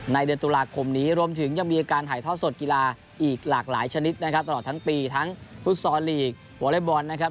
เดือนตุลาคมนี้รวมถึงยังมีอาการถ่ายทอดสดกีฬาอีกหลากหลายชนิดนะครับตลอดทั้งปีทั้งฟุตซอลลีกวอเล็กบอลนะครับ